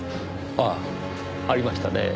ああありましたねぇ。